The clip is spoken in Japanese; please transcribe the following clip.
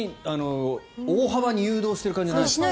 大幅に誘導してる感じじゃないですね。